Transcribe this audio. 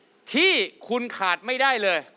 ของสิ่งไหนที่คุณขาดไม่ได้เลย